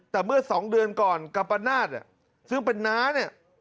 แต่เมื่อ๒เดือนก่อนกัปพนาทซึ่งเป็นน้านี่